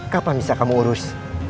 kapan bisa kamu urus